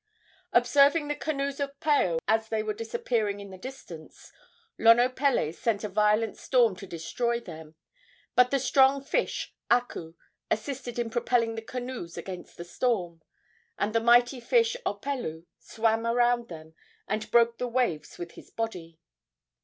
Observing the canoes of Paao as they were disappearing in the distance, Lonopele sent a violent storm to destroy them; but the strong fish Aku assisted in propelling the canoes against the storm, and the mighty fish Opelu swam around them and broke the waves with his body.